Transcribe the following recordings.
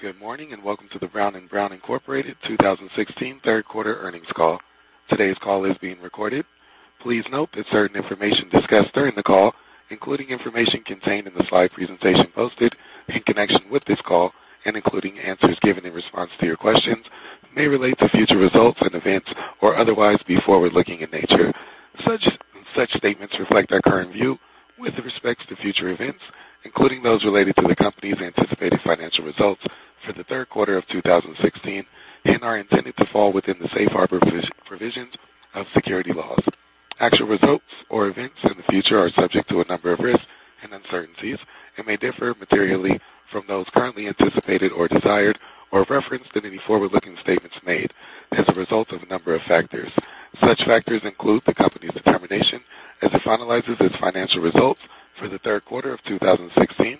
Good morning, and welcome to the Brown & Brown Incorporated 2016 third quarter earnings call. Today's call is being recorded. Please note that certain information discussed during the call, including information contained in the slide presentation posted in connection with this call and including answers given in response to your questions, may relate to future results and events or otherwise be forward-looking in nature. Such statements reflect our current view with respects to future events, including those related to the company's anticipated financial results for the third quarter of 2016, and are intended to fall within the safe harbor provisions of securities laws. Actual results or events in the future are subject to a number of risks and uncertainties and may differ materially from those currently anticipated or desired or referenced in any forward-looking statements made as a result of a number of factors. Such factors include the company's determination as it finalizes its financial results for the third quarter of 2016,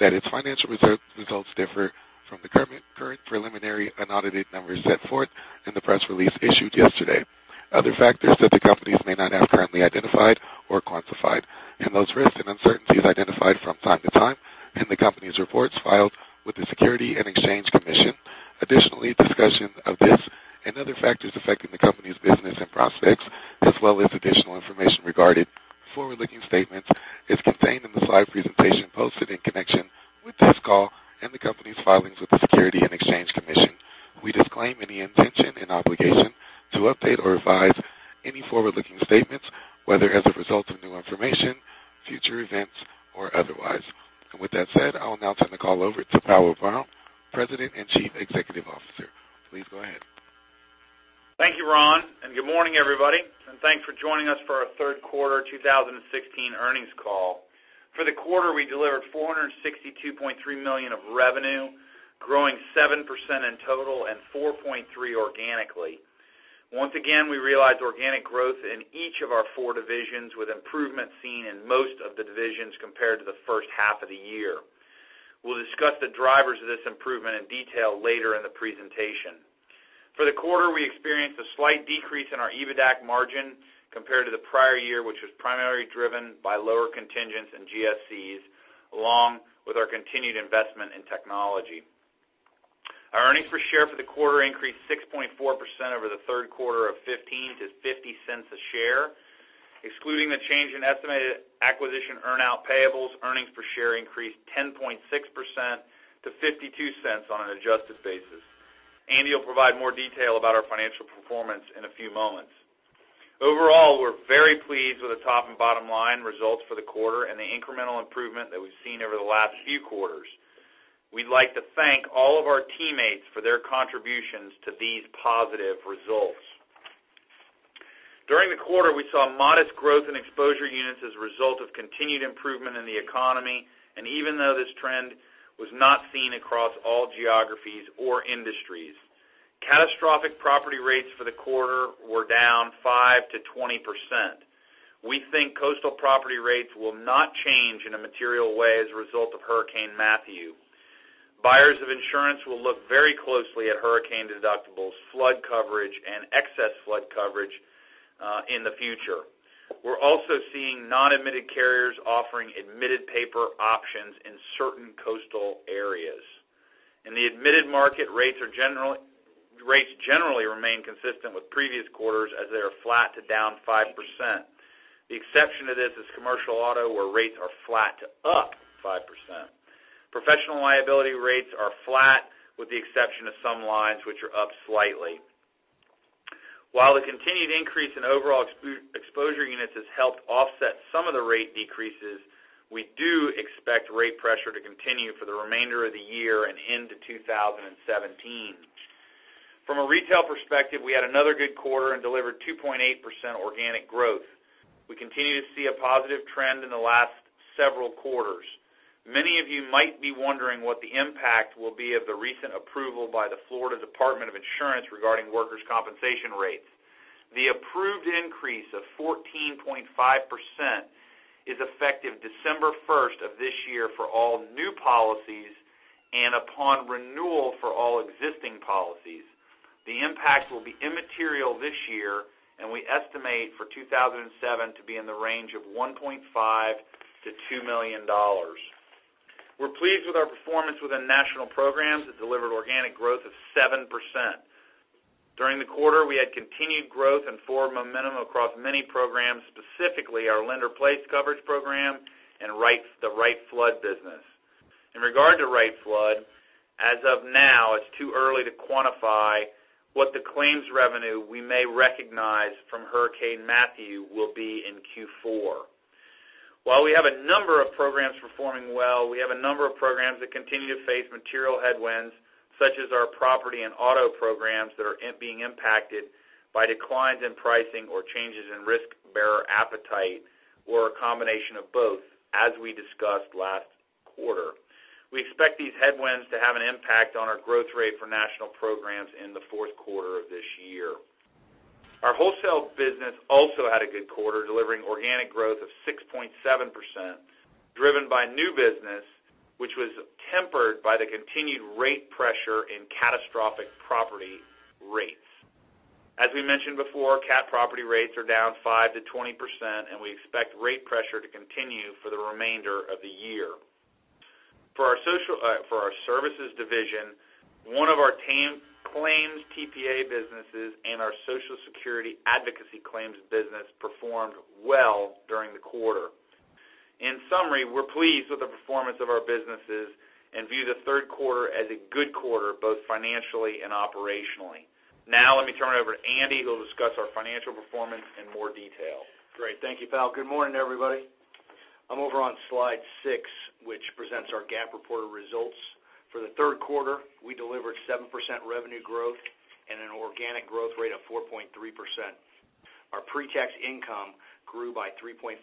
that its financial results differ from the current preliminary unaudited numbers set forth in the press release issued yesterday. Other factors that the companies may not have currently identified or quantified, and those risks and uncertainties identified from time to time in the company's reports filed with the Securities and Exchange Commission. Discussion of this and other factors affecting the company's business and prospects, as well as additional information regarding forward-looking statements, is contained in the slide presentation posted in connection with this call and the company's filings with the Securities and Exchange Commission. We disclaim any intention and obligation to update or revise any forward-looking statements, whether as a result of new information, future events, or otherwise. With that said, I will now turn the call over to Powell Brown, President and Chief Executive Officer. Please go ahead. Thank you, Ron. Good morning, everybody, and thanks for joining us for our third quarter 2016 earnings call. For the quarter, we delivered $462.3 million of revenue, growing 7% in total and 4.3% organically. Once again, we realized organic growth in each of our four divisions, with improvement seen in most of the divisions compared to the first half of the year. We will discuss the drivers of this improvement in detail later in the presentation. For the quarter, we experienced a slight decrease in our EBITDA margin compared to the prior year, which was primarily driven by lower contingents and GSCs, along with our continued investment in technology. Our earnings per share for the quarter increased 6.4% over the third quarter of 2015 to $0.50 a share. Excluding the change in estimated acquisition earn-out payables, earnings per share increased 10.6% to $0.52 on an adjusted basis. Andy will provide more detail about our financial performance in a few moments. Overall, we're very pleased with the top and bottom line results for the quarter and the incremental improvement that we've seen over the last few quarters. We'd like to thank all of our teammates for their contributions to these positive results. During the quarter, we saw modest growth in exposure units as a result of continued improvement in the economy even though this trend was not seen across all geographies or industries. Catastrophic property rates for the quarter were down 5%-20%. We think coastal property rates will not change in a material way as a result of Hurricane Matthew. Buyers of insurance will look very closely at hurricane deductibles, flood coverage, and excess flood coverage in the future. We're also seeing non-admitted carriers offering admitted paper options in certain coastal areas. In the admitted market, rates generally remain consistent with previous quarters as they are flat to down 5%. The exception to this is commercial auto, where rates are flat to up 5%. Professional liability rates are flat, with the exception of some lines which are up slightly. While the continued increase in overall exposure units has helped offset some of the rate decreases, we do expect rate pressure to continue for the remainder of the year and into 2017. From a retail perspective, we had another good quarter and delivered 2.8% organic growth. We continue to see a positive trend in the last several quarters. Many of you might be wondering what the impact will be of the recent approval by the Florida Office of Insurance Regulation regarding workers' compensation rates. The approved increase of 14.5% is effective December 1st of this year for all new policies and upon renewal for all existing policies. The impact will be immaterial this year, and we estimate for 2017 to be in the range of $1.5 million-$2 million. We're pleased with our performance within national programs that delivered organic growth of 7%. During the quarter, we had continued growth and forward momentum across many programs, specifically our lender-placed coverage program and the Wright Flood business. In regard to Wright Flood, as of now, it's too early to quantify what the claims revenue we may recognize from Hurricane Matthew will be in Q4. While we have a number of programs performing well, we have a number of programs that continue to face material headwinds, such as our property and auto programs that are being impacted by declines in pricing or changes in risk-bearer appetite or a combination of both, as we discussed last quarter. We expect these headwinds to have an impact on our growth rate for national programs in the fourth quarter of this year. Our wholesale business also had a good quarter, delivering organic growth of 6.7%, driven by new business, which was tempered by the continued rate pressure in catastrophic property rates. As we mentioned before, cat property rates are down 5%-20%, and we expect rate pressure to continue for the remainder of the year. For our services division, one of our claims TPA businesses and our Social Security advocacy claims business performed well during the quarter. In summary, we're pleased with the performance of our businesses and view the third quarter as a good quarter, both financially and operationally. Let me turn it over to Andy, who will discuss our financial performance in more detail. Great. Thank you, Powell. Good morning, everybody. I'm over on slide six, which presents our GAAP reported results. For the third quarter, we delivered 7% revenue growth and an organic growth rate of 4.3%. Our pre-tax income grew by 3.5%.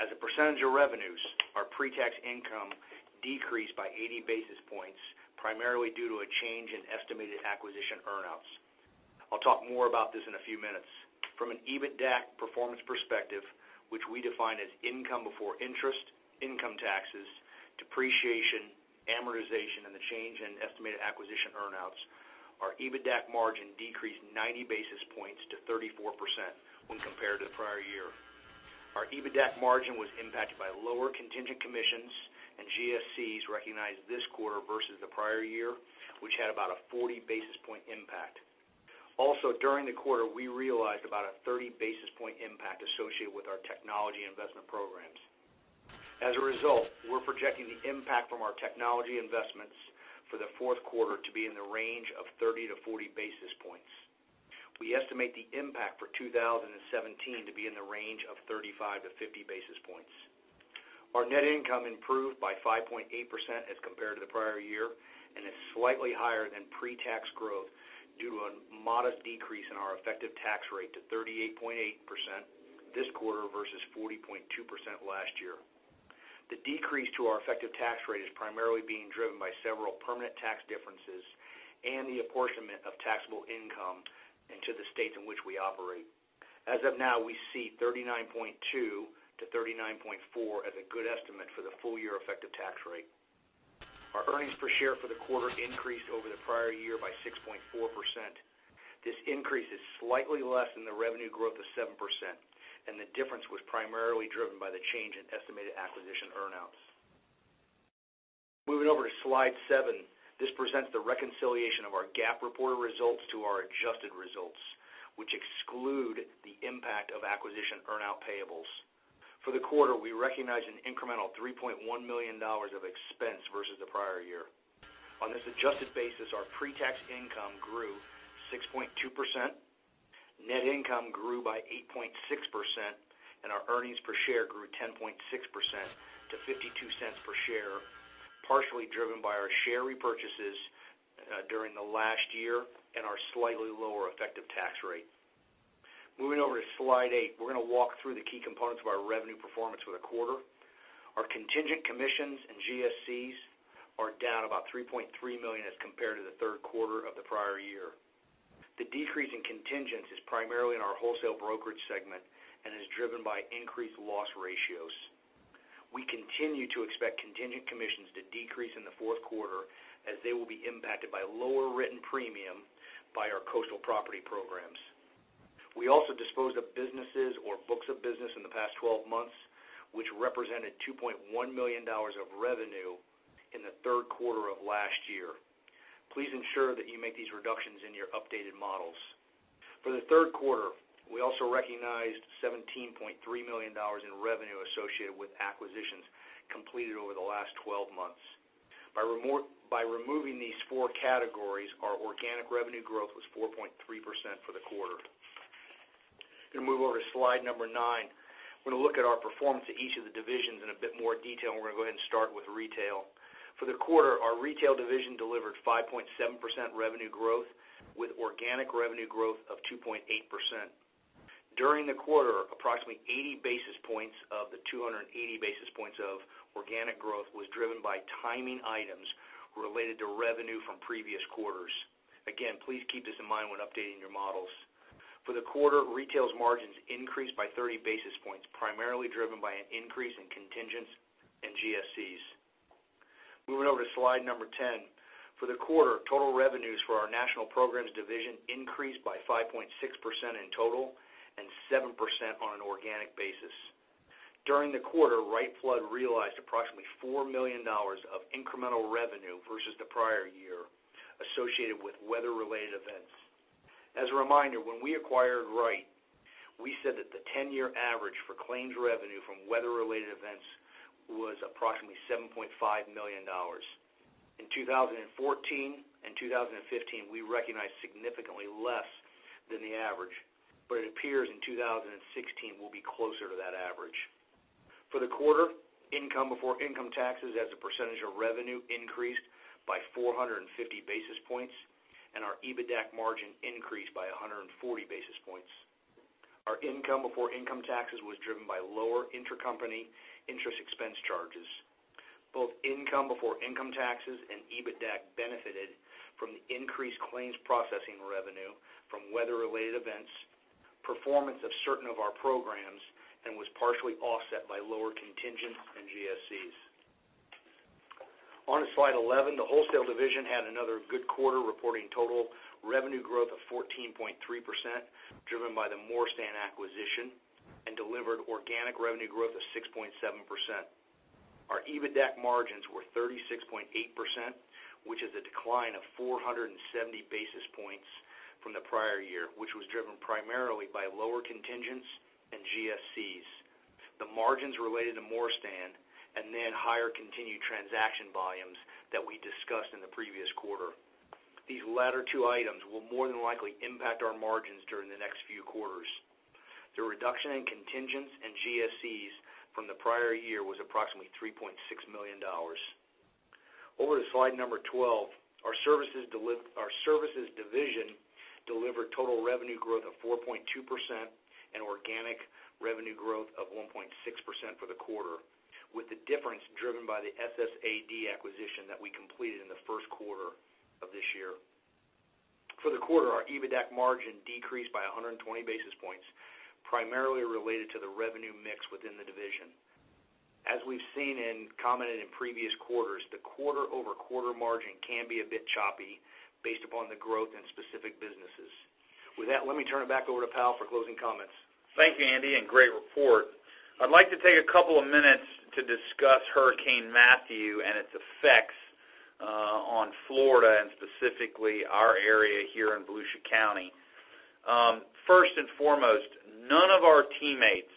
As a percentage of revenues, our pre-tax income decreased by 80 basis points, primarily due to a change in estimated acquisition earn-outs. I'll talk more about this in a few minutes. From an EBITDAC performance perspective, which we define as income before interest, income taxes, depreciation, amortization, and the change in estimated acquisition earn-outs, our EBITDAC margin decreased 90 basis points to 34% when compared to the prior year. Our EBITDAC margin was impacted by lower contingent commissions and GSCs recognized this quarter versus the prior year, which had about a 40 basis point impact. During the quarter, we realized about a 30 basis point impact associated with our technology investment programs. As a result, we're projecting the impact from our technology investments for the fourth quarter to be in the range of 30 to 40 basis points. We estimate the impact for 2017 to be in the range of 35 to 50 basis points. Our net income improved by 5.8% as compared to the prior year and is slightly higher than pre-tax growth due to a modest decrease in our effective tax rate to 38.8% this quarter versus 40.2% last year. The decrease to our effective tax rate is primarily being driven by several permanent tax differences and the apportionment of taxable income into the states in which we operate. As of now, we see 39.2 to 39.4 as a good estimate for the full year effective tax rate. Our earnings per share for the quarter increased over the prior year by 6.4%. This increase is slightly less than the revenue growth of 7%, and the difference was primarily driven by the change in estimated acquisition earn-outs. Moving over to slide seven, this presents the reconciliation of our GAAP reported results to our adjusted results, which exclude the impact of acquisition earn-out payables. For the quarter, we recognized an incremental $3.1 million of expense versus the prior year. On this adjusted basis, our pre-tax income grew 6.2%, net income grew by 8.6%, and our earnings per share grew 10.6% to $0.52 per share, partially driven by our share repurchases during the last year and our slightly lower effective tax rate. Moving over to slide eight, we're going to walk through the key components of our revenue performance for the quarter. Our contingent commissions and GSCs are down about $3.3 million as compared to the third quarter of the prior year. The decrease in contingents is primarily in our wholesale brokerage segment and is driven by increased loss ratios. We continue to expect contingent commissions to decrease in the fourth quarter as they will be impacted by lower written premium by our coastal property programs. We also disposed of businesses or books of business in the past 12 months, which represented $2.1 million of revenue in the third quarter of last year. Please ensure that you make these reductions in your updated models. For the third quarter, we also recognized $17.3 million in revenue associated with acquisitions completed over the last 12 months. By removing these four categories, our organic revenue growth was 4.3% for the quarter. Going to move over to slide number nine. We're going to look at our performance of each of the divisions in a bit more detail, and we're going to go ahead and start with retail. For the quarter, our retail division delivered 5.7% revenue growth with organic revenue growth of 2.8%. During the quarter, approximately 80 basis points of the 280 basis points of organic growth was driven by timing items related to revenue from previous quarters. Again, please keep this in mind when updating your models. For the quarter, retail's margins increased by 30 basis points, primarily driven by an increase in contingents and GSCs. Moving over to slide number 10. For the quarter, total revenues for our national programs division increased by 5.6% in total and 7% on an organic basis. During the quarter, Wright Flood realized approximately $4 million of incremental revenue versus the prior year associated with weather-related events. As a reminder, when we acquired Wright, we said that the 10-year average for claims revenue from weather-related events was approximately $7.5 million. In 2014 and 2015, we recognized significantly less than the average, but it appears in 2016 we'll be closer to that average. For the quarter, income before income taxes as a percentage of revenue increased by 450 basis points, and our EBITDAC margin increased by 140 basis points. Our income before income taxes was driven by lower intercompany interest expense charges. Both income before income taxes and EBITDAC benefited from the increased claims processing revenue from weather-related events, performance of certain of our programs, and was partially offset by lower contingents and GSCs. On to slide 11. The wholesale division had another good quarter, reporting total revenue growth of 14.3%, driven by the Morstan acquisition, and delivered organic revenue growth of 6.7%. Our EBITDA margins were 36.8%, which is a decline of 470 basis points from the prior year, which was driven primarily by lower contingents and GSCs. The margins related to Morstan and then higher continued transaction volumes that we discussed in the previous quarter. These latter two items will more than likely impact our margins during the next few quarters. The reduction in contingents and GSCs from the prior year was approximately $3.6 million. Over to slide number 12. Our services division delivered total revenue growth of 4.2% and organic revenue growth of 1.6% for the quarter, with the difference driven by the SSAD acquisition that we completed in the first quarter of this year. For the quarter, our EBITDA margin decreased by 120 basis points, primarily related to the revenue mix within the division. As we've seen and commented in previous quarters, the quarter-over-quarter margin can be a bit choppy based upon the growth in specific businesses. With that, let me turn it back over to Powell for closing comments. Thank you, Andy, and great report. I'd like to take a couple of minutes to discuss Hurricane Matthew and its effects on Florida, and specifically our area here in Volusia County. First and foremost, none of our teammates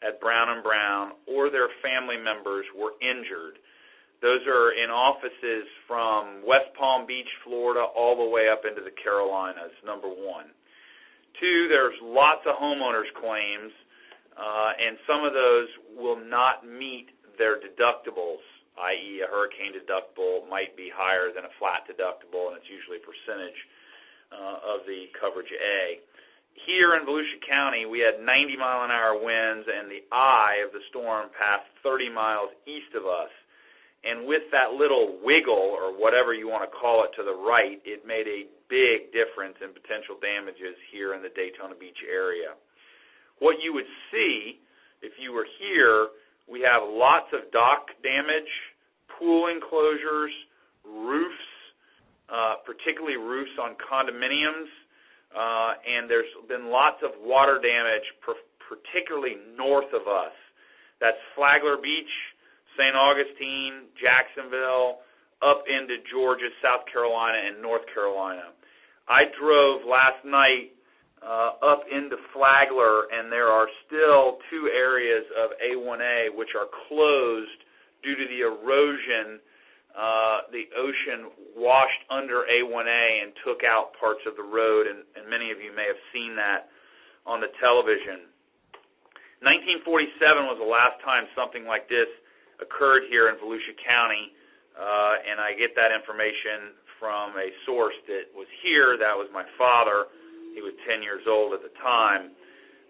at Brown & Brown or their family members were injured. Those are in offices from West Palm Beach, Florida, all the way up into the Carolinas, number 1. 2, there's lots of homeowners' claims, and some of those will not meet their deductibles, i.e., a hurricane deductible might be higher than a flat deductible, and it's usually a percentage of the coverage A. Here in Volusia County, we had 90 mile an hour winds, and the eye of the storm passed 30 miles east of us. With that little wiggle, or whatever you want to call it, to the right, it made a big difference in potential damages here in the Daytona Beach area. What you would see if you were here, we have lots of dock damage, pool enclosures, roofs, particularly roofs on condominiums, and there's been lots of water damage, particularly north of us. That's Flagler Beach, St. Augustine, Jacksonville, up into Georgia, South Carolina and North Carolina. I drove last night up into Flagler, and there are still two areas of A1A which are closed due to the erosion. The ocean washed under A1A and took out parts of the road, and many of you may have seen that on the television. 1947 was the last time something like this occurred here in Volusia County, and I get that information from a source that was here. That was my father. He was 10 years old at the time.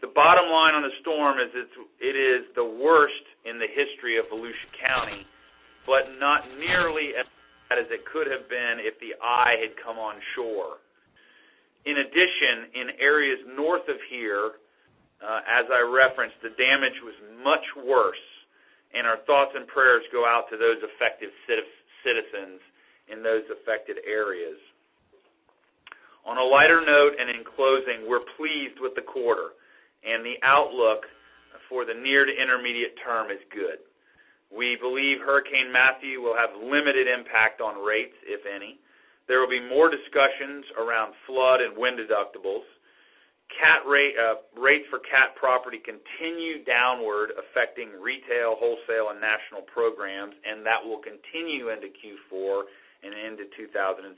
The bottom line on the storm is it's the worst in the history of Volusia County, but not nearly as bad as it could have been if the eye had come on shore. In addition, in areas north of here, as I referenced, the damage was much worse, and our thoughts and prayers go out to those affected citizens in those affected areas. On a lighter note, and in closing, we're pleased with the quarter, and the outlook for the near to intermediate term is good. We believe Hurricane Matthew will have limited impact on rates, if any. There will be more discussions around flood and wind deductibles. Rates for cat property continue downward, affecting retail, wholesale, and national programs, and that will continue into Q4 and into 2017.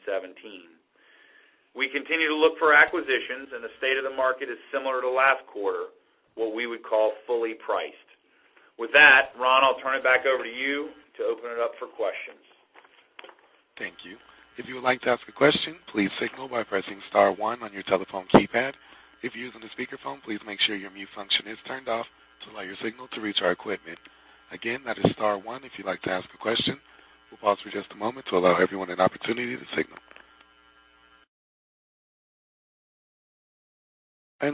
We continue to look for acquisitions. The state of the market is similar to last quarter, what we would call fully priced. With that, Ron, I'll turn it back over to you to open it up for questions. Thank you. If you would like to ask a question, please signal by pressing star one on your telephone keypad. If you're using a speakerphone, please make sure your mute function is turned off to allow your signal to reach our equipment. Again, that is star one if you'd like to ask a question. We'll pause for just a moment to allow everyone an opportunity to signal.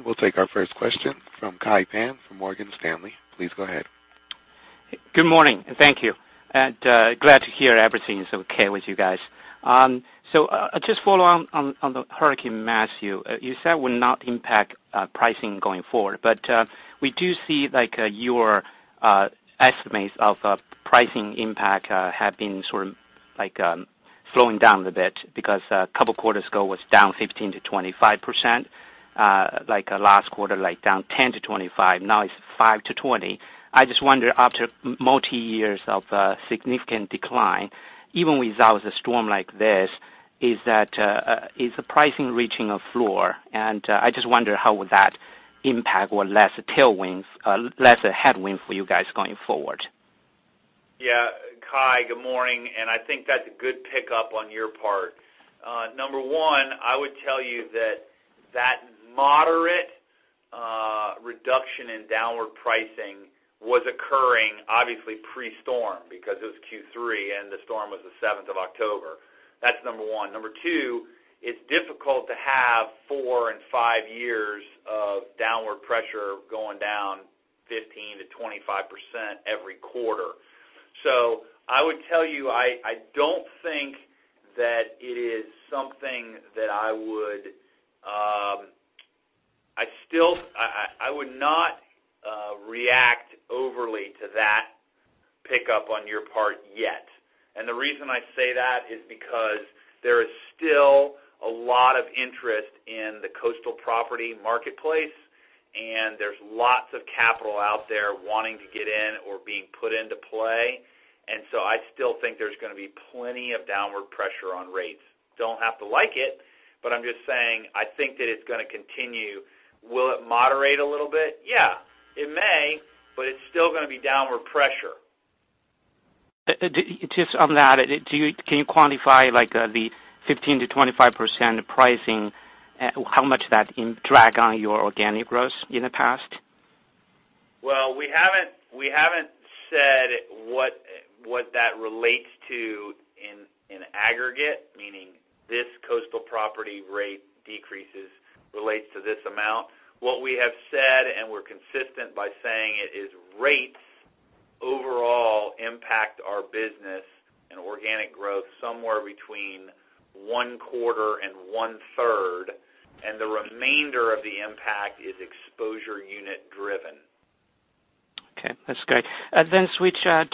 We'll take our first question from Kai Pan from Morgan Stanley. Please go ahead. Good morning. Thank you. Glad to hear everything is okay with you guys. Just follow on the Hurricane Matthew, you said will not impact pricing going forward, but we do see your estimates of pricing impact have been sort of slowing down a bit because a couple of quarters ago was down 15%-25%. Last quarter down 10%-25%. Now it's 5%-20%. I just wonder, after multi-years of significant decline, even without a storm like this, is the pricing reaching a floor? I just wonder how would that impact with less headwinds for you guys going forward? Kai, good morning. I think that's a good pickup on your part. Number one, I would tell you that that moderate reduction in downward pricing was occurring obviously pre-storm because it was Q3 and the storm was the 7th of October. That's number one. Number two, it's difficult to have four and five years of downward pressure going down 15%-25% every quarter. I would tell you, I don't think that it is something that I would not react overly to that pickup on your part yet. The reason I say that is because there is still a lot of interest in the coastal property marketplace. There's lots of capital out there wanting to get in or being put into play. I still think there's going to be plenty of downward pressure on rates. Don't have to like it, I'm just saying, I think that it's going to continue. Will it moderate a little bit? Yeah, it may, but it's still going to be downward pressure. Just on that, can you quantify the 15%-25% pricing, how much that drag on your organic growth in the past? Well, we haven't said what that relates to in aggregate, meaning this coastal property rate decreases relates to this amount. What we have said, we're consistent by saying it, is rates overall impact our business and organic growth somewhere between one quarter and one-third, the remainder of the impact is exposure unit driven. Okay, that's great. Switch on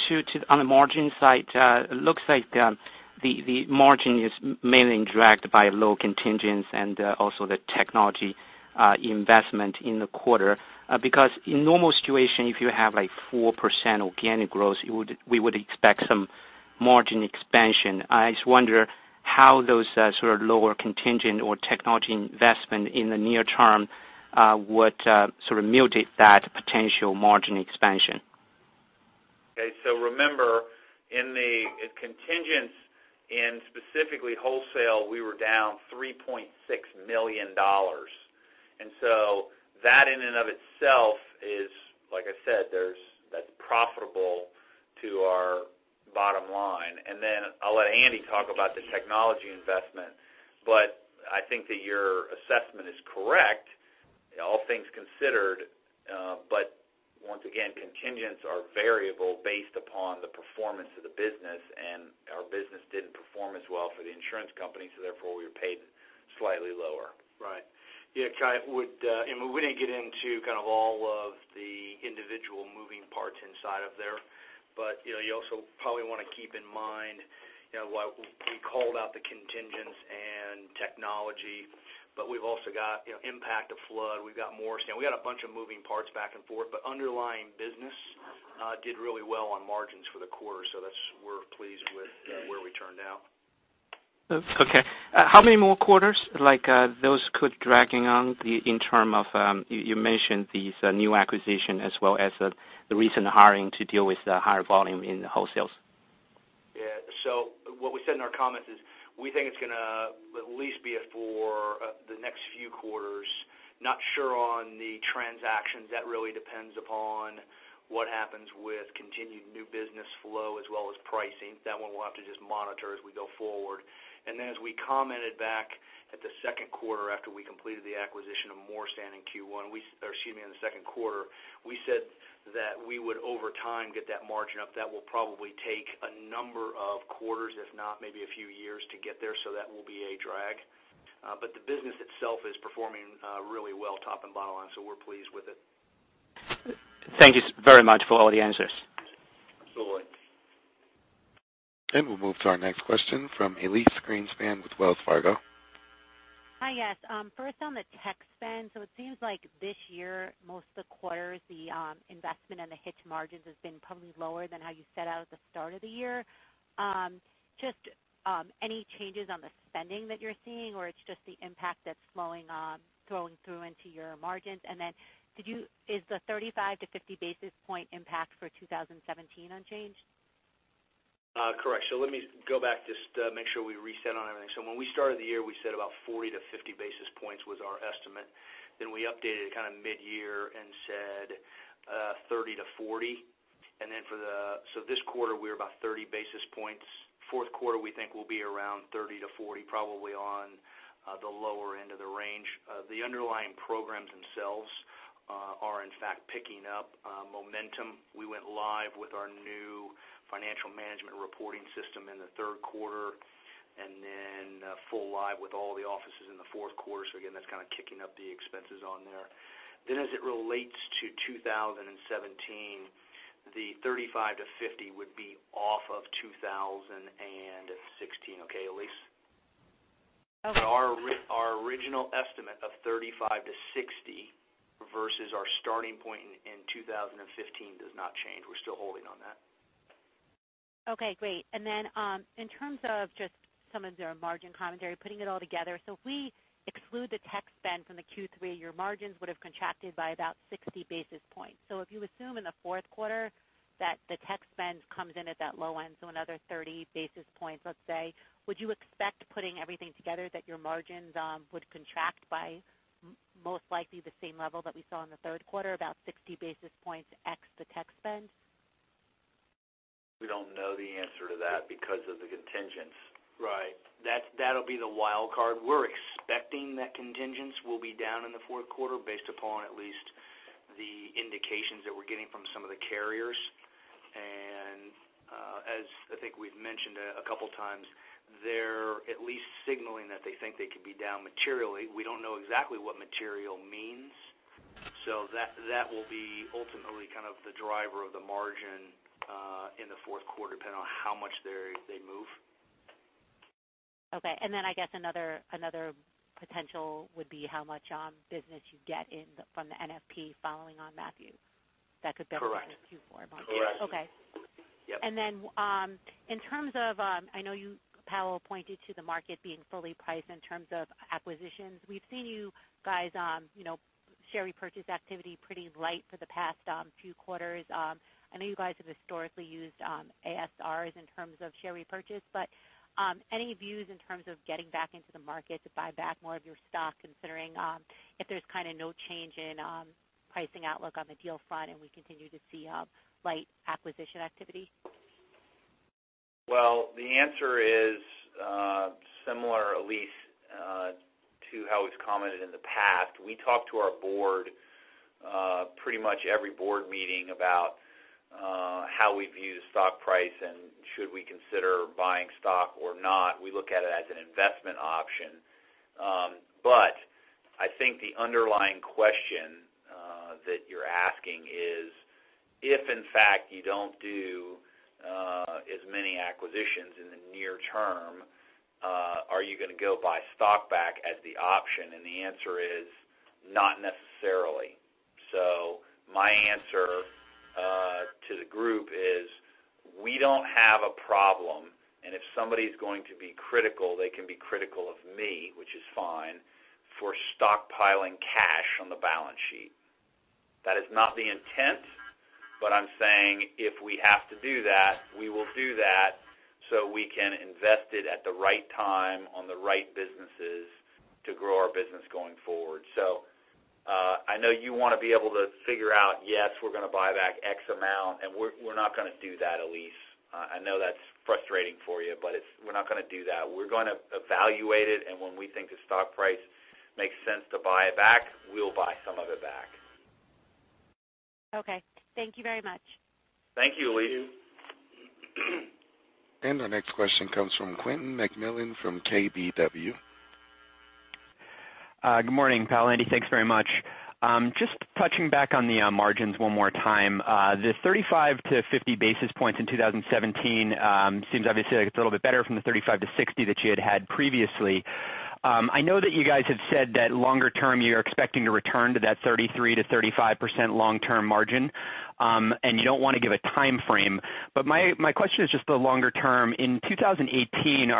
the margin side. It looks like the margin is mainly dragged by low contingents and also the technology investment in the quarter. In normal situation, if you have a 4% organic growth, we would expect some margin expansion. I just wonder how those sort of lower contingent or technology investment in the near term would sort of muted that potential margin expansion. Okay, remember in contingents, in specifically wholesale, we were down $3.6 million. That in and of itself is, like I said, that's profitable to our bottom line. Then I'll let Andy talk about the technology investment. I think that your assessment is correct, all things considered. Once again, contingents are variable based upon the performance of the business, and our business didn't perform as well for the insurance company, therefore we were paid slightly lower. Right. Yeah, Kai, we didn't get into kind of all of the individual moving parts inside of there. You also probably want to keep in mind while we called out the contingents and technology, we've also got impact of flood. We've got a bunch of moving parts back and forth, but underlying business did really well on margins for the quarter. We're pleased with where we turned out. Okay. How many more quarters like those could dragging on in term of, you mentioned these new acquisition as well as the recent hiring to deal with the higher volume in wholesale? Yeah. What we said in our comments is we think it's going to at least be it for the next few quarters, not sure on the transactions. That really depends upon what happens with continued new business flow as well as pricing. That one we'll have to just monitor as we go forward. Then as we commented back at the second quarter after we completed the acquisition of Morstan in Q1, or excuse me, in the second quarter, we said that we would, over time, get that margin up. That will probably take a number of quarters, if not, maybe a few years to get there. That will be a drag. But the business itself is performing really well, top and bottom line. We're pleased with it. Thank you very much for all the answers. Absolutely. We'll move to our next question from Elyse Greenspan with Wells Fargo. Hi. Yes. First on the tech spend. It seems like this year, most of the quarters, the investment and the hitch margins has been probably lower than how you set out at the start of the year. Any changes on the spending that you're seeing, or it's just the impact that's flowing on, flowing through into your margins? Is the 35 to 50 basis point impact for 2017 unchanged? Correct. Let me go back just to make sure we reset on everything. When we started the year, we said about 40 to 50 basis points was our estimate. We updated kind of mid-year and said 30 to 40. This quarter, we're about 30 basis points. fourth quarter, we think will be around 30 to 40, probably on the lower end of the range. The underlying programs themselves are in fact picking up momentum. We went live with our new financial management reporting system in the third quarter, and then full live with all the offices in the fourth quarter. Again, that's kind of kicking up the expenses on there. As it relates to 2017, the 35 to 50 would be off of 2016, okay, Elyse? Okay. Our original estimate of 35 to 60 versus our starting point in 2015 does not change. We're still holding on that. Okay, great. In terms of just some of their margin commentary, putting it all together. If we exclude the tech spend from the Q3, your margins would have contracted by about 60 basis points. If you assume in the fourth quarter that the tech spend comes in at that low end, another 30 basis points, let's say, would you expect putting everything together that your margins would contract by most likely the same level that we saw in the third quarter, about 60 basis points x the tech spend? We don't know the answer to that because of the contingents. Right. That'll be the wild card. We're expecting that contingents will be down in the fourth quarter based upon at least the indications that we're getting from some of the carriers. As I think we've mentioned a couple of times, they're at least signaling that they think they could be down materially. We don't know exactly what material means. That will be ultimately the driver of the margin, in the fourth quarter, depending on how much they move. Okay. I guess another potential would be how much on business you get in from the NFIP following on Matthew. Correct. -Q4. Correct. Okay. Yep. I know you, Powell, pointed to the market being fully priced in terms of acquisitions. We've seen you guys on share repurchase activity pretty light for the past few quarters. I know you guys have historically used ASRs in terms of share repurchase, but any views in terms of getting back into the market to buy back more of your stock, considering if there's no change in pricing outlook on the deal front and we continue to see light acquisition activity? The answer is similar, Elyse, to how we've commented in the past. We talk to our board pretty much every board meeting about how we view the stock price and should we consider buying stock or not. We look at it as an investment option. I think the underlying question that you're asking is, if in fact you don't do as many acquisitions in the near term, are you going to go buy stock back as the option? The answer is, not necessarily. My answer to the group is, we don't have a problem. If somebody's going to be critical, they can be critical of me, which is fine, for stockpiling cash on the balance sheet. That is not the intent. I'm saying if we have to do that, we will do that so we can invest it at the right time on the right businesses to grow our business going forward. I know you want to be able to figure out, yes, we're going to buy back X amount, and we're not going to do that, Elyse. I know that's frustrating for you, but we're not going to do that. We're going to evaluate it, and when we think the stock price makes sense to buy it back, we'll buy some of it back. Okay. Thank you very much. Thank you, Elyse. Our next question comes from Quentin McMillan from KBW. Good morning, Powell, Andy. Thanks very much. Just touching back on the margins one more time. The 35-50 basis points in 2017 seems obviously like it's a little bit better from the 35-60 that you had had previously. I know that you guys have said that longer term, you're expecting to return to that 33%-35% long-term margin, and you don't want to give a timeframe. My question is just the longer term. In 2018,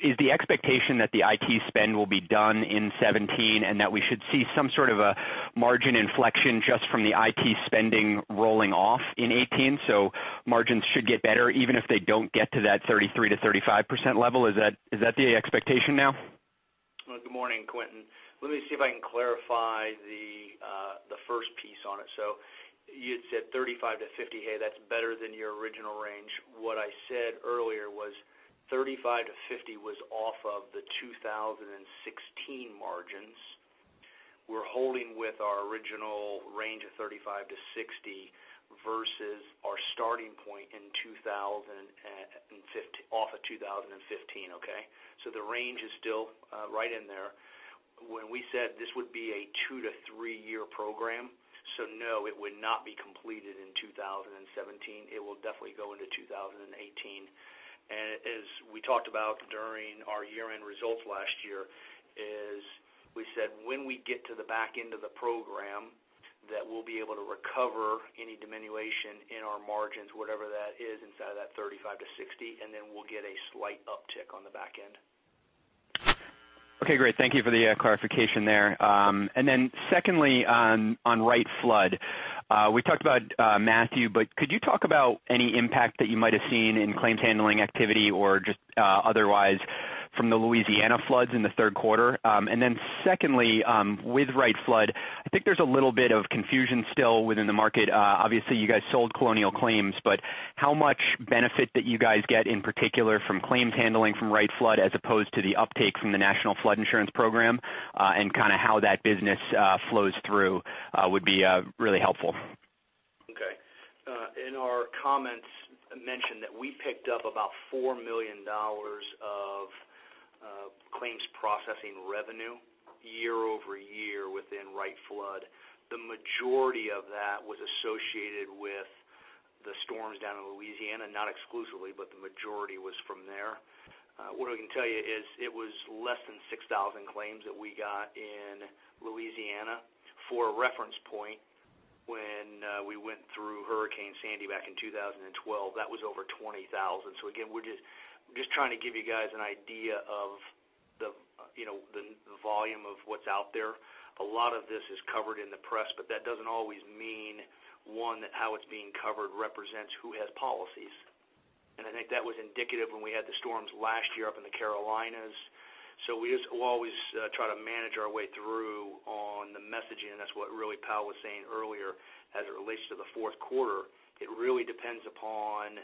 is the expectation that the IT spend will be done in 2017, and that we should see some sort of a margin inflection just from the IT spending rolling off in 2018, so margins should get better even if they don't get to that 33%-35% level? Is that the expectation now? Good morning, Quentin. Let me see if I can clarify the first piece on it. You had said 35-50, hey, that's better than your original range. What I said earlier was 35-50 was off of the 2016 margins. We're holding with our original range of 35-60 versus our starting point off of 2015, okay? The range is still right in there. When we said this would be a two- to three-year program, no, it would not be completed in 2017. It will definitely go into 2018. As we talked about during our year-end results last year, we said when we get to the back end of the program, that we'll be able to recover any diminution in our margins, whatever that is inside of that 35%-60%, then we'll get a slight uptick on the back end. Okay, great. Thank you for the clarification there. Secondly, on Wright Flood. We talked about Matthew, but could you talk about any impact that you might have seen in claims handling activity or just otherwise from the Louisiana floods in the third quarter? Secondly, with Wright Flood, I think there's a little bit of confusion still within the market. Obviously, you guys sold Colonial Claims, but how much benefit that you guys get in particular from claims handling from Wright Flood as opposed to the uptake from the National Flood Insurance Program, and how that business flows through would be really helpful. Okay. In our comments, I mentioned that we picked up about $4 million of claims processing revenue year-over-year within Wright Flood. The majority of that was associated with the storms down in Louisiana. Not exclusively, but the majority was from there. What I can tell you is it was less than 6,000 claims that we got in Louisiana. For a reference point, when we went through Hurricane Sandy back in 2012, that was over 20,000. Again, we're just trying to give you guys an idea of the volume of what's out there. A lot of this is covered in the press, but that doesn't always mean, one, that how it's being covered represents who has policies. And I think that was indicative when we had the storms last year up in the Carolinas. We'll always try to manage our way through on the messaging, and that's what really Powell was saying earlier as it relates to the fourth quarter. It really depends upon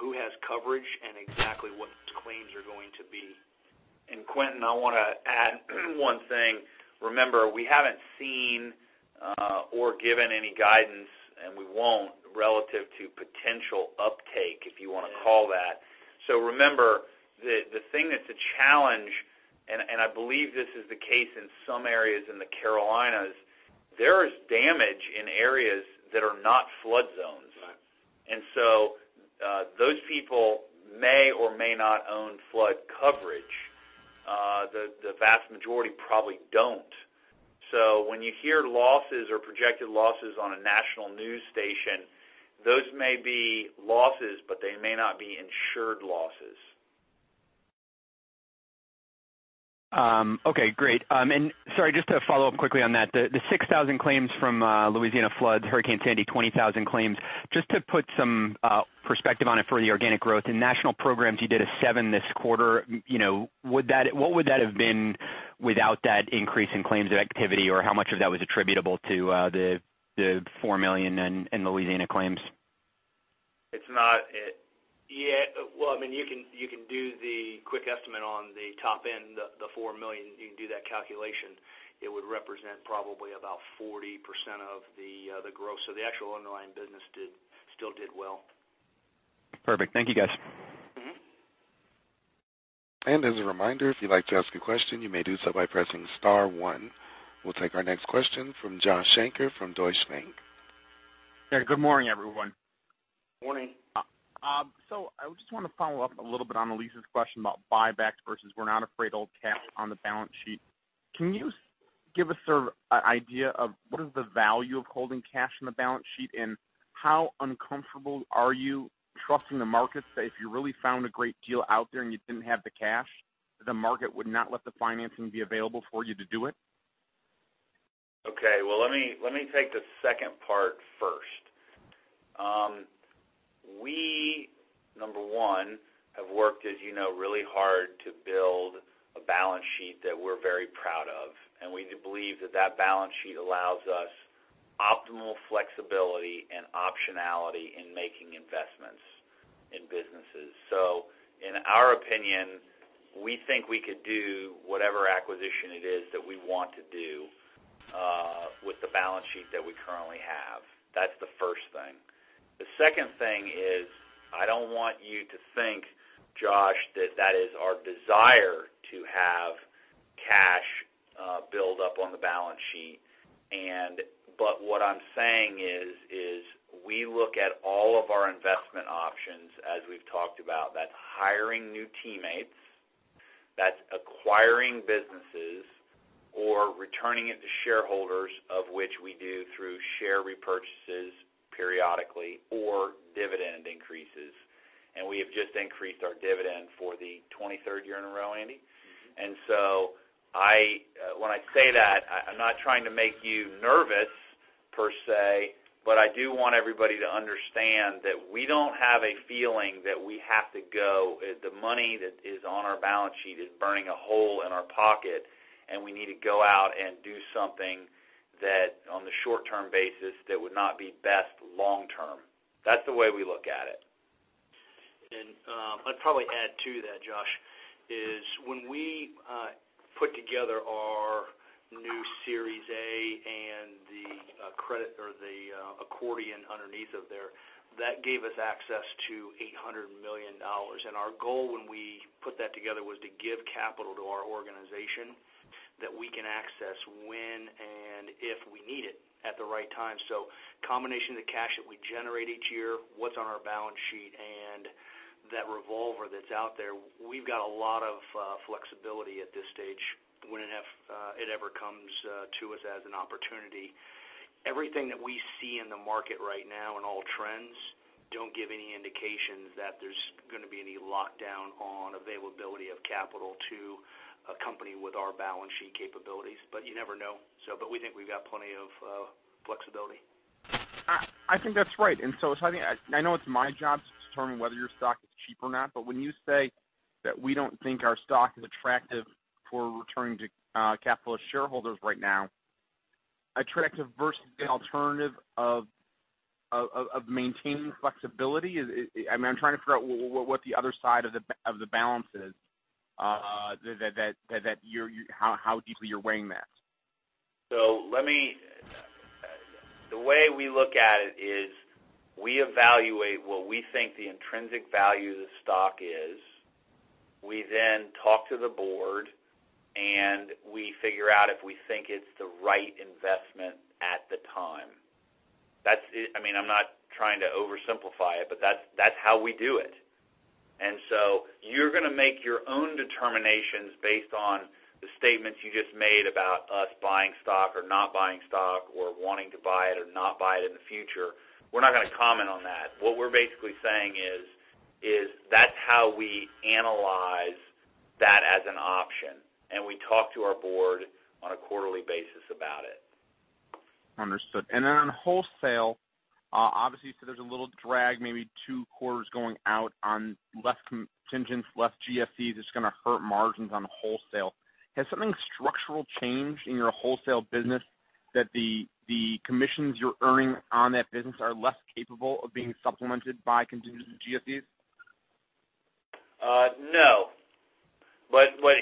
who has coverage and exactly what claims are going to be. Quentin, I want to add one thing. Remember, we haven't seen or given any guidance, and we won't, relative to potential uptake, if you want to call that. Remember, the thing that's a challenge, and I believe this is the case in some areas in the Carolinas, there is damage in areas that are not flood zones. Right. Those people may or may not own flood coverage. The vast majority probably don't. When you hear losses or projected losses on a national news station, those may be losses, but they may not be insured losses. Okay, great. Sorry, just to follow up quickly on that. The 6,000 claims from Louisiana floods, Hurricane Sandy, 20,000 claims. Just to put some perspective on it for the organic growth. In national programs, you did a seven this quarter. What would that have been without that increase in claims or activity, or how much of that was attributable to the $4 million in Louisiana claims? Well, you can do the quick estimate on the top end, the $4 million, you can do that calculation. It would represent probably about 40% of the growth. The actual underlying business still did well. Perfect. Thank you, guys. As a reminder, if you'd like to ask a question, you may do so by pressing star one. We'll take our next question from Joshua Shanker from Deutsche Bank. Yeah. Good morning, everyone. Morning. I just want to follow up a little bit on Elyse's question about buybacks versus we're not afraid to hold cash on the balance sheet. Can you give us sort of an idea of what is the value of holding cash on the balance sheet, and how uncomfortable are you trusting the markets that if you really found a great deal out there and you didn't have the cash, the market would not let the financing be available for you to do it? Okay. Well, let me take the second part first. We, number 1, have worked, as you know, really hard to build a balance sheet that we're very proud of, and we believe that that balance sheet allows us optimal flexibility and optionality in making investments in businesses. In our opinion, we think we could do whatever acquisition it is that we want to do with the balance sheet that we currently have. That's the first thing. The second thing is, I don't want you to think, Josh, that that is our desire to have cash build up on the balance sheet. What I'm saying is we look at all of our investment options as we've talked about. That's hiring new teammates, that's acquiring businesses or returning it to shareholders, of which we do through share repurchases periodically or dividend increases. We have just increased our dividend for the 23rd year in a row, Andy. When I say that, I'm not trying to make you nervous per se, but I do want everybody to understand that we don't have a feeling that the money that is on our balance sheet is burning a hole in our pocket, and we need to go out and do something that on the short-term basis, that would not be best long term. That's the way we look at it. I'd probably add to that, Josh, is when we put together our new Series A and the credit or the accordion underneath of there, that gave us access to $800 million. Our goal when we put that together was to give capital to our organization that we can access when and if we need it at the right time. Combination of the cash that we generate each year, what's on our balance sheet, and that revolver that's out there, we've got a lot of flexibility at this stage when it ever comes to us as an opportunity. Everything that we see in the market right now and all trends don't give any indications that there's going to be any lockdown on availability of capital to a company with our balance sheet capabilities, but you never know. We think we've got plenty of flexibility. I think that's right. I know it's my job to determine whether your stock is cheap or not, but when you say that we don't think our stock is attractive for returning to capitalist shareholders right now, attractive versus the alternative of maintaining flexibility, I'm trying to figure out what the other side of the balance is, how deeply you're weighing that. The way we look at it is we evaluate what we think the intrinsic value of the stock is. We then talk to the board, and we figure out if we think it's the right investment at the time. I'm not trying to oversimplify it, but that's how we do it. You're going to make your own determinations based on the statements you just made about us buying stock or not buying stock or wanting to buy it or not buy it in the future. We're not going to comment on that. What we're basically saying is that's how we analyze that as an option, and we talk to our board on a quarterly basis about it. Understood. On wholesale, obviously you said there's a little drag, maybe two quarters going out on less contingents, less GSCs, it's going to hurt margins on wholesale. Has something structural changed in your wholesale business that the commissions you're earning on that business are less capable of being supplemented by contingent GSCs? No.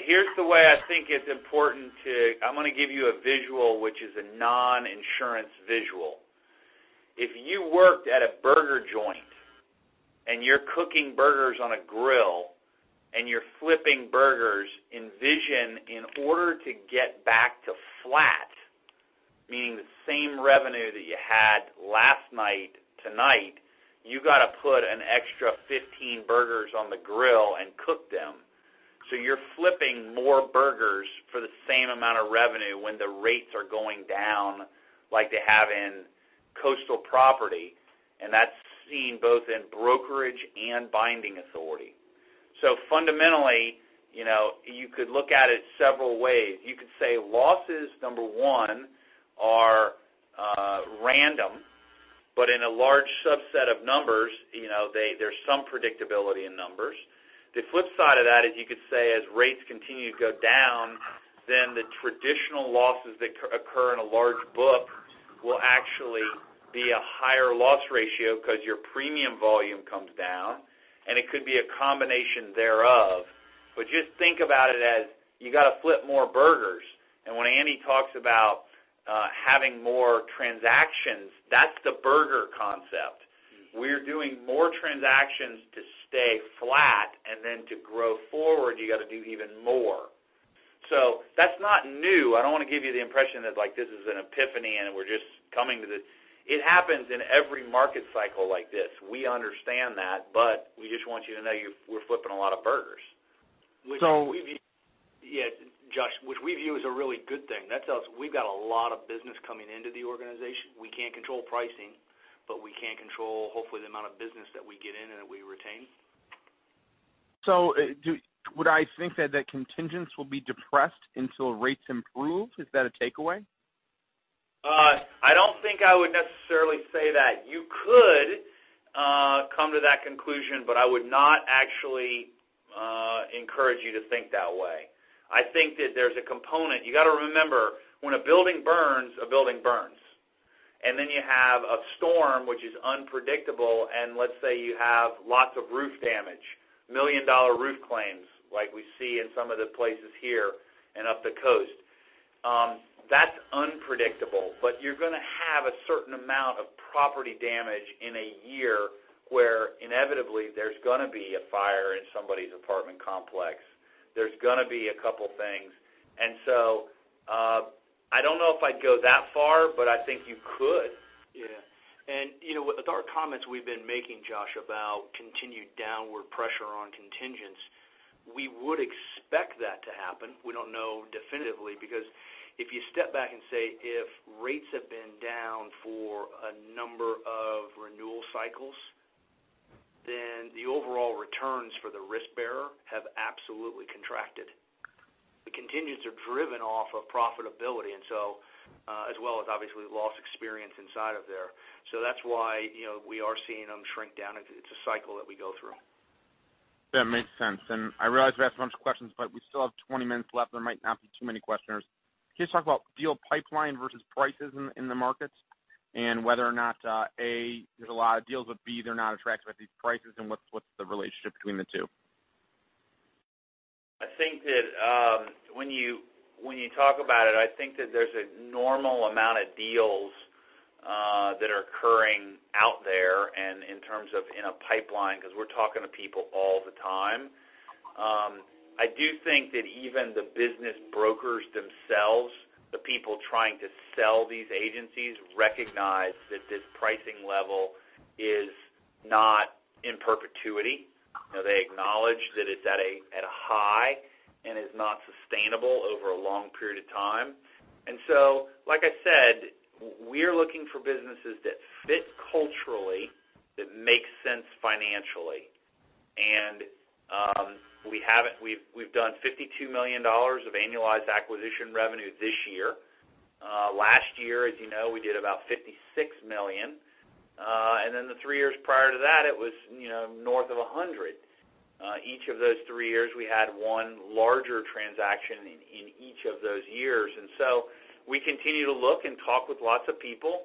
Here's the way I think it's important to I'm going to give you a visual, which is a non-insurance visual. If you worked at a burger joint and you're cooking burgers on a grill and you're flipping burgers, envision in order to get back to flat, meaning the same revenue that you had last night, tonight, you got to put an extra 15 burgers on the grill and cook them. You're flipping more burgers for the same amount of revenue when the rates are going down like they have in coastal property, and that's seen both in brokerage and binding authority. Fundamentally, you could look at it several ways. You could say losses, number 1, are random, but in a large subset of numbers, there's some predictability in numbers. The flip side of that is you could say as rates continue to go down, then the traditional losses that occur in a large book will actually be a higher loss ratio because your premium volume comes down, and it could be a combination thereof. Just think about it as you got to flip more burgers. When Andy talks about having more transactions, that's the burger concept. We're doing more transactions to stay flat, then to grow forward, you got to do even more. That's not new. I don't want to give you the impression that this is an epiphany, and we're just coming to this. It happens in every market cycle like this. We understand that, we just want you to know we're flipping a lot of burgers. So- Josh, which we view as a really good thing. That tells we've got a lot of business coming into the organization. We can't control pricing, we can control, hopefully, the amount of business that we get in and that we retain. Would I think that contingents will be depressed until rates improve? Is that a takeaway? I don't think I would necessarily say that. You could come to that conclusion, but I would not actually encourage you to think that way. I think that there's a component. You got to remember, when a building burns, a building burns. Then you have a storm, which is unpredictable, and let's say you have lots of roof damage, million-dollar roof claims like we see in some of the places here and up the coast. That's unpredictable, but you're going to have a certain amount of property damage in a year where inevitably there's going to be a fire in somebody's apartment complex. There's going to be a couple things. I don't know if I'd go that far, but I think you could. Yeah. With our comments we've been making, Josh, about continued downward pressure on contingents, we would expect that to happen. We don't know definitively because if you step back and say if rates have been down for a number of renewal cycles, then the overall returns for the risk bearer have absolutely contracted. The contingents are driven off of profitability, as well as obviously loss experience inside of there. That's why we are seeing them shrink down. It's a cycle that we go through. That makes sense. I realize we've asked a bunch of questions, but we still have 20 minutes left. There might not be too many questioners. Can you just talk about deal pipeline versus prices in the markets, and whether or not, A, there's a lot of deals with B, they're not attracted by these prices and what's the relationship between the two? I think that when you talk about it, I think that there's a normal amount of deals that are occurring out there and in terms of in a pipeline, because we're talking to people all the time. I do think that even the business brokers themselves, the people trying to sell these agencies, recognize that this pricing level is not in perpetuity. They acknowledge that it's at a high and is not sustainable over a long period of time. Like I said, we're looking for businesses that fit culturally, that make sense financially. We've done $52 million of annualized acquisition revenue this year. Last year, as you know, we did about $56 million. Then the three years prior to that, it was north of $100 million. Each of those three years, we had one larger transaction in each of those years. We continue to look and talk with lots of people.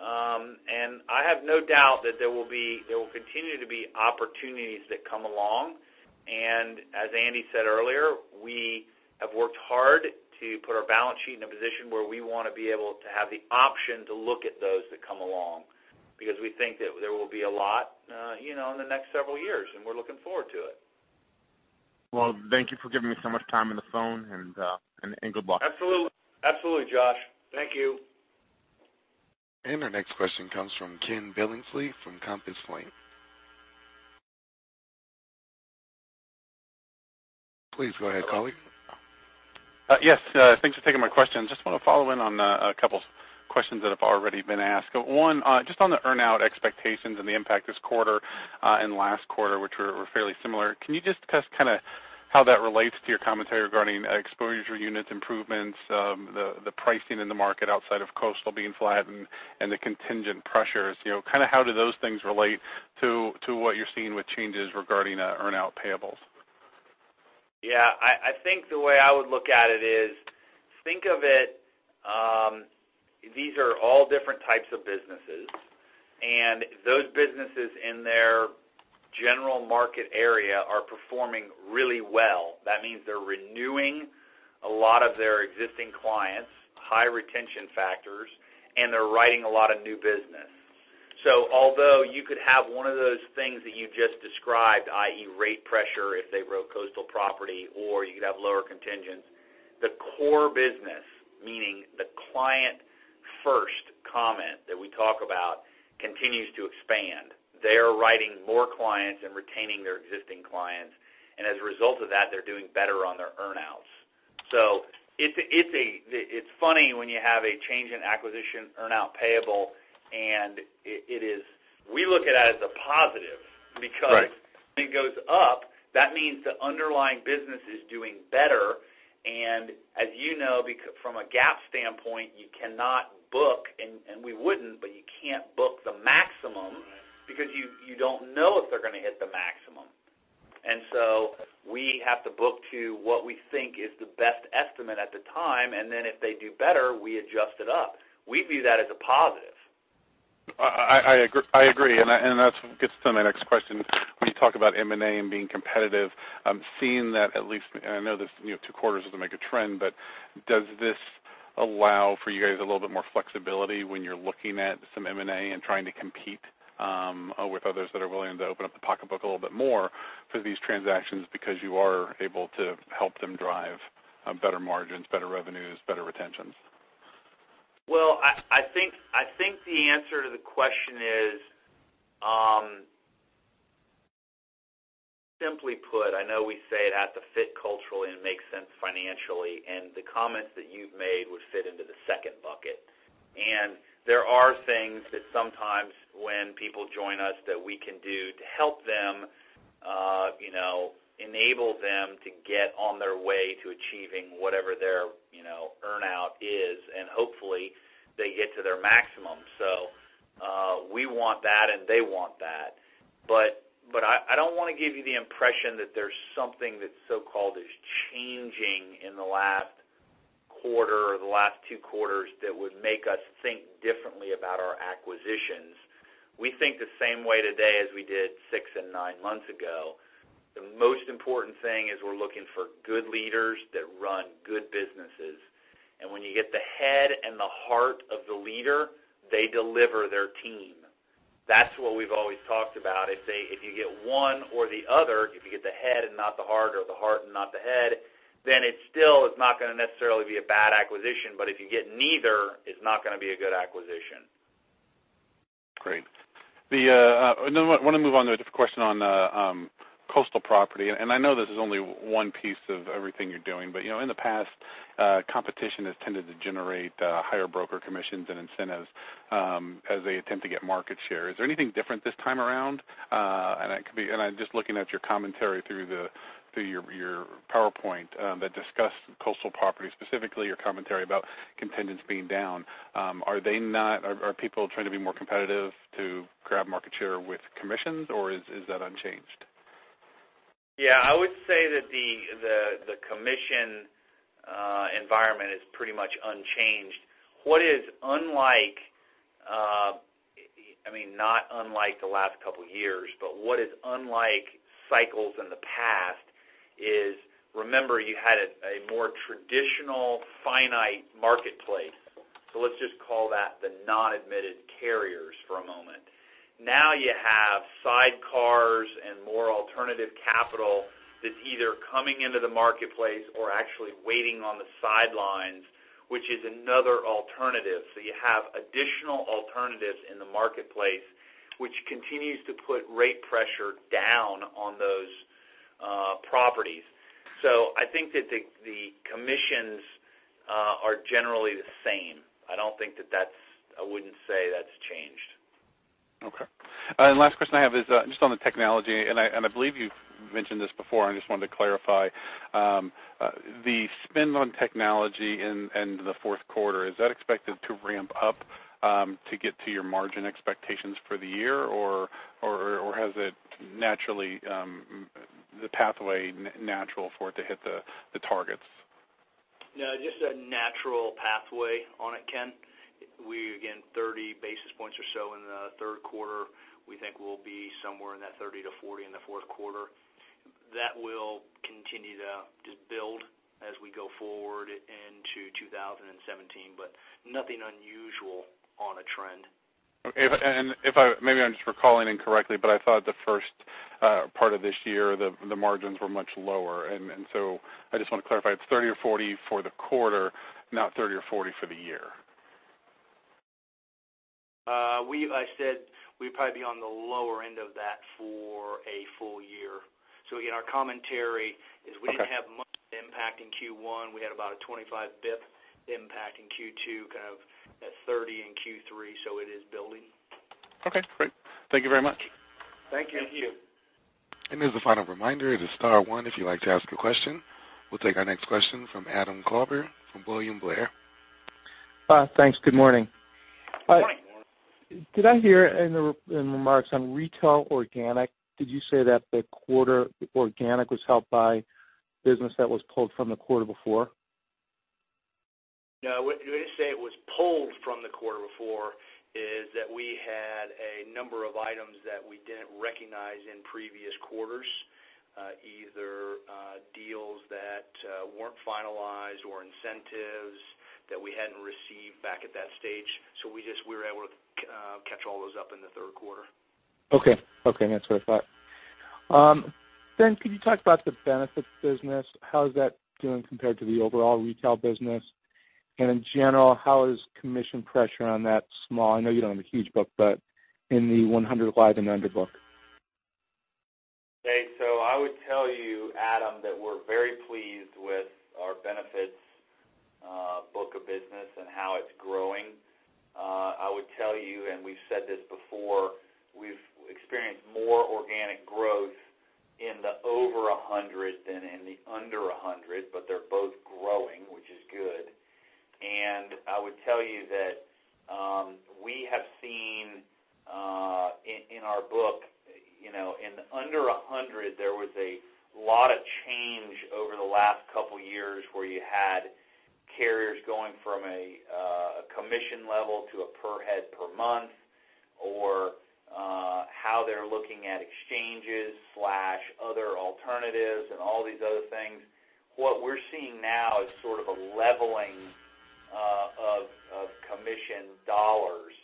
I have no doubt that there will continue to be opportunities that come along. As Andy said earlier, we have worked hard to put our balance sheet in a position where we want to be able to have the option to look at those that come along because we think that there will be a lot in the next several years, and we're looking forward to it. Thank you for giving me so much time on the phone and good luck. Absolutely, Josh. Thank you. Our next question comes from Ken Billingsley from Compass Point. Please go ahead, colleague. Yes. Thanks for taking my question. Want to follow in on a couple questions that have already been asked. One, on the earn-out expectations and the impact this quarter, and last quarter, which were fairly similar. Can you How that relates to your commentary regarding exposure unit improvements, the pricing in the market outside of coastal being flattened and the contingent pressures. How do those things relate to what you're seeing with changes regarding earnout payables? I think the way I would look at it is, think of it, these are all different types of businesses. Those businesses in their general market area are performing really well. That means they're renewing a lot of their existing clients, high retention factors, and they're writing a lot of new business. Although you could have one of those things that you just described, i.e., rate pressure, if they wrote coastal property or you could have lower contingents, the core business, meaning the client-first comment that we talk about, continues to expand. They are writing more clients and retaining their existing clients, and as a result of that, they're doing better on their earnouts. It's funny when you have a change in acquisition earnout payable, and we look at it as a positive because- Right it goes up, that means the underlying business is doing better, and as you know, from a GAAP standpoint, you cannot book, and we wouldn't, but you can't book the maximum- Right You don't know if they're going to hit the maximum. We have to book to what we think is the best estimate at the time, and then if they do better, we adjust it up. We view that as a positive. I agree. That gets to my next question. When you talk about M&A and being competitive, seeing that at least, I know this two quarters doesn't make a trend, but does this allow for you guys a little bit more flexibility when you're looking at some M&A and trying to compete with others that are willing to open up the pocketbook a little bit more for these transactions because you are able to help them drive better margins, better revenues, better retentions? Well, I think the answer to the question is, simply put, I know we say it has to fit culturally and make sense financially, and the comments that you've made would fit into the second bucket. There are things that sometimes when people join us that we can do to help them, enable them to get on their way to achieving whatever their earnout is. Hopefully, they get to their maximum. We want that and they want that. I don't want to give you the impression that there's something that so-called is changing in the last quarter or the last two quarters that would make us think differently about our acquisitions. We think the same way today as we did six and nine months ago. The most important thing is we're looking for good leaders that run good businesses. When you get the head and the heart of the leader, they deliver their team. That's what we've always talked about. If you get one or the other, if you get the head and not the heart or the heart and not the head, it still is not going to necessarily be a bad acquisition. If you get neither, it's not going to be a good acquisition. Great. I want to move on to a different question on coastal property. I know this is only one piece of everything you're doing, but in the past, competition has tended to generate higher broker commissions and incentives as they attempt to get market share. Is there anything different this time around? I'm just looking at your commentary through your PowerPoint that discussed coastal property, specifically your commentary about contingents being down. Are people trying to be more competitive to grab market share with commissions, or is that unchanged? Yeah. I would say that the commission environment is pretty much unchanged. I mean, not unlike the last couple of years, but what is unlike cycles in the past is, remember, you had a more traditional finite marketplace. Let's just call that the non-admitted carriers for a moment. Now you have sidecars and more alternative capital that's either coming into the marketplace or actually waiting on the sidelines, which is another alternative. You have additional alternatives in the marketplace, which continues to put rate pressure down on those properties. I think that the commissions are generally the same. I wouldn't say that's changed. Okay. Last question I have is just on the technology, and I believe you've mentioned this before, I just wanted to clarify. The spend on technology in the fourth quarter, is that expected to ramp up to get to your margin expectations for the year, or is the pathway natural for it to hit the targets? No, just a natural pathway on it, Ken. We, again, 30 basis points or so in the third quarter. We think we'll be somewhere in that 30 to 40 in the fourth quarter. That will continue to just build as we go forward into 2017, but nothing unusual on a trend. Okay. Maybe I'm just recalling incorrectly, but I thought the first part of this year, the margins were much lower. I just want to clarify, it's 30 or 40 for the quarter, not 30 or 40 for the year. I said we'd probably be on the lower end of that for a full year. Again, our commentary is we didn't have. impact in Q1. We had about a 25 basis points impact in Q2, kind of at 30 in Q3. It is building. Okay, great. Thank you very much. Thank you. Thank you. As a final reminder, it is star one if you'd like to ask a question. We'll take our next question from Adam Klauber from William Blair. Thanks. Good morning. Good morning. Did I hear in the remarks on retail organic, did you say that the quarter organic was helped by business that was pulled from the quarter before? We didn't say it was pulled from the quarter before, is that we had a number of items that we didn't recognize in previous quarters, either deals that weren't finalized or incentives that we hadn't received back at that stage. We just, we were able to catch all those up in the third quarter. Okay. That's what I thought. Then, could you talk about the benefits business? How is that doing compared to the overall retail business? In general, how is commission pressure on that small, I know you don't have a huge book, but in the 100 live and under book? Okay. I would tell you, Adam, that we're very pleased with our benefits book of business and how it's growing. I would tell you, and we've said this before, we've experienced more organic growth in the over 100 than in the under 100, but they're both growing, which is good. I would tell you that, we have seen in our book, in under 100, there was a lot of change over the last couple of years, where you had carriers going from a commission level to a per head per month or how they're looking at exchanges/other alternatives and all these other things. What we're seeing now is sort of a leveling of commission dollars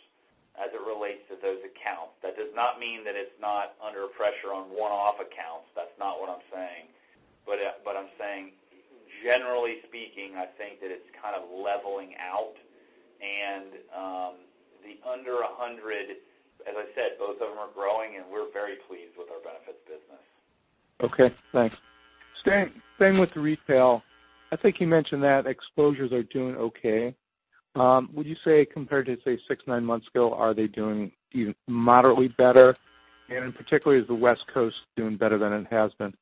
as it relates to those accounts. That does not mean that it's not under pressure on one-off accounts. That's not what I'm saying. I'm saying, generally speaking, I think that it's kind of leveling out and the under 100, as I said, both of them are growing, and we're very pleased with our benefits business. Okay, thanks. Staying with the retail, I think you mentioned that exposures are doing okay. Would you say compared to, say six, nine months ago, are they doing moderately better? In particular, is the West Coast doing better than it has been?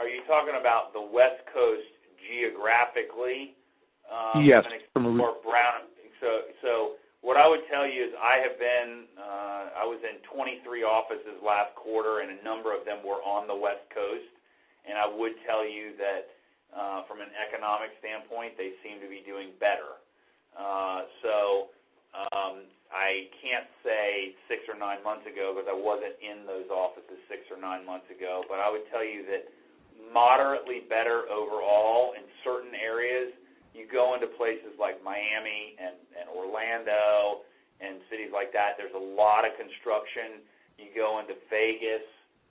Are you talking about the West Coast geographically? Yes. Brown? What I would tell you is I was in 23 offices last quarter, and a number of them were on the West Coast. I would tell you that, from an economic standpoint, they seem to be doing better. I can't say six or nine months ago, because I wasn't in those offices six or nine months ago. I would tell you that moderately better overall in certain areas. You go into places like Miami and Orlando and cities like that, there's a lot of construction. You go into Vegas,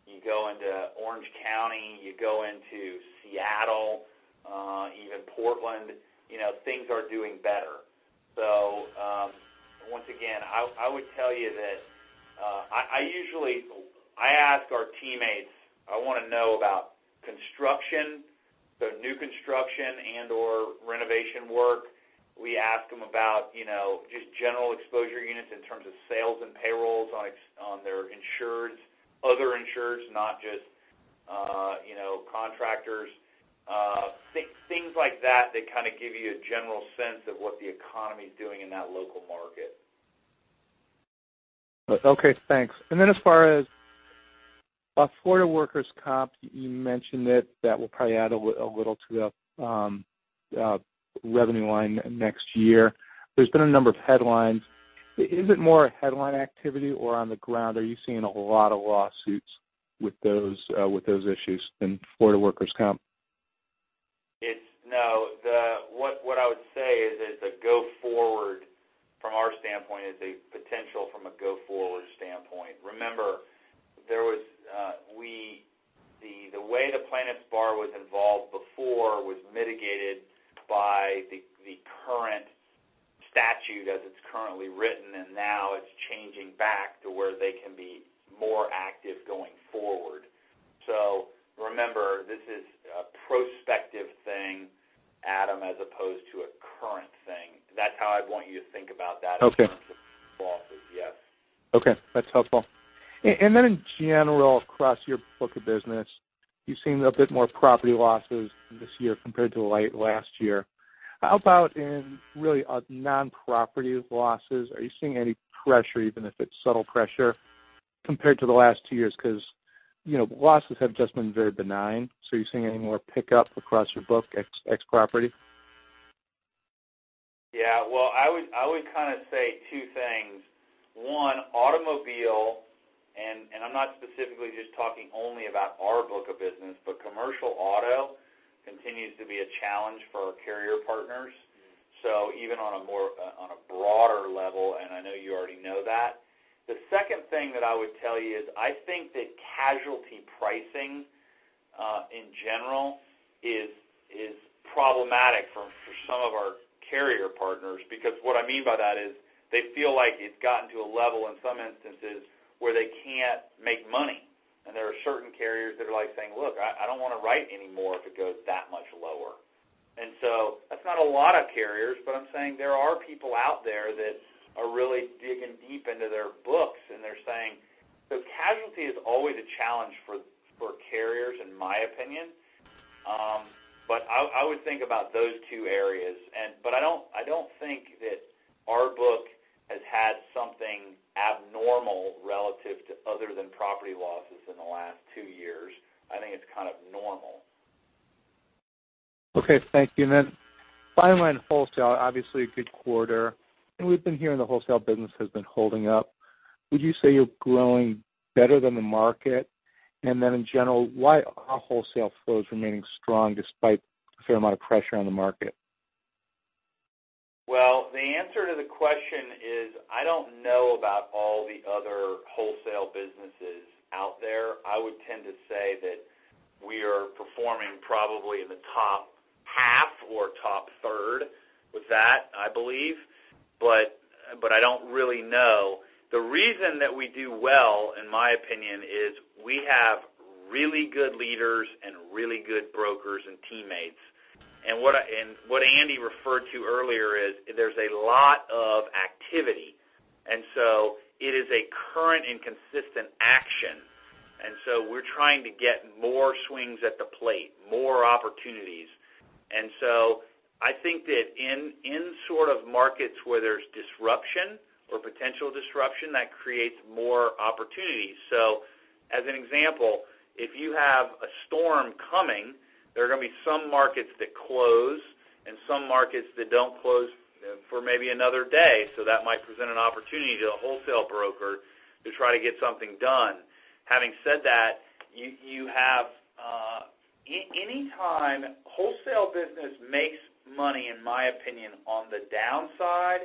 you go into Orange County, you go into Seattle, even Portland, things are doing better. Once again, I would tell you that I usually ask our teammates, I want to know about construction, new construction and/or renovation work. We ask them about just general exposure units in terms of sales and payrolls on their insureds, other insureds, not just contractors. Things like that kind of give you a general sense of what the economy's doing in that local market. Okay, thanks. Then as far as Florida Workers' Comp, you mentioned it, that will probably add a little to the revenue line next year. There's been a number of headlines. Is it more a headline activity or on the ground, are you seeing a lot of lawsuits with those issues in Florida Workers' Comp? No. What I would say is, as a go forward from our standpoint, is a potential from a go-forward standpoint. Remember, the way the plaintiffs bar was involved before was mitigated by the current statute as it's currently written, now it's changing back to where they can be more active going forward. Remember, this is a prospective thing, Adam, as opposed to a current thing. That's how I want you to think about that. Okay In terms of losses, yes. Okay. That's helpful. Then in general, across your book of business, you've seen a bit more property losses this year compared to late last year. How about in really non-property losses? Are you seeing any pressure, even if it's subtle pressure, compared to the last two years? Because losses have just been very benign. Are you seeing any more pickup across your book ex property? Well, I would kind of say two things. One, automobile, I'm not specifically just talking only about our book of business, but commercial auto continues to be a challenge for our carrier partners. Even on a broader level, I know you already know that. The second thing that I would tell you is, I think that casualty pricing in general, is problematic for some of our carrier partners because what I mean by that is they feel like it's gotten to a level in some instances where they can't make money. There are certain carriers that are saying, "Look, I don't want to write anymore if it goes that much lower." That's not a lot of carriers, but I'm saying there are people out there that are really digging deep into their books, casualty is always a challenge for carriers, in my opinion. I would think about those two areas. I don't think that our book has had something abnormal relative to other than property losses in the last two years. I think it's kind of normal. Okay. Thank you. Then bottom line, wholesale, obviously a good quarter, we've been hearing the wholesale business has been holding up. Would you say you're growing better than the market? In general, why are wholesale flows remaining strong despite a fair amount of pressure on the market? Well, the answer to the question is, I don't know about all the other wholesale businesses out there. I would tend to say that we are performing probably in the top half or top third with that, I believe. I don't really know. The reason that we do well, in my opinion, is we have really good leaders and really good brokers and teammates. What Andy referred to earlier is there's a lot of activity. It is a current and consistent action. We're trying to get more swings at the plate, more opportunities. I think that in sort of markets where there's disruption or potential disruption, that creates more opportunities. As an example, if you have a storm coming, there are going to be some markets that close and some markets that don't close for maybe another day, so that might present an opportunity to a wholesale broker to try to get something done. Having said that, any time wholesale business makes money, in my opinion, on the downside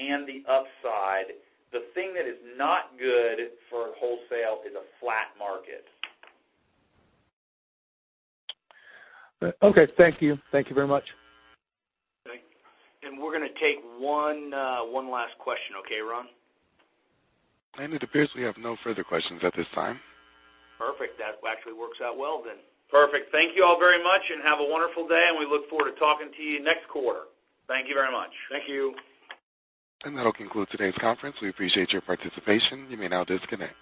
and the upside, the thing that is not good for wholesale is a flat market. Okay. Thank you. Thank you very much. Thank you. We're going to take one last question, okay, Ron? Andy, it appears we have no further questions at this time. Perfect. That actually works out well then. Perfect. Thank you all very much and have a wonderful day, and we look forward to talking to you next quarter. Thank you very much. Thank you. That'll conclude today's conference. We appreciate your participation. You may now disconnect.